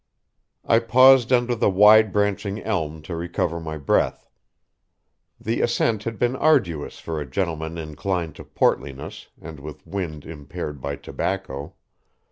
I paused under the wide branching elm to recover my breath. The assent had been arduous for a gentleman inclined to portliness and with wind impaired by tobacco.